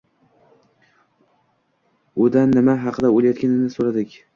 Udan nima haqida o‘ylayotganini so‘radik.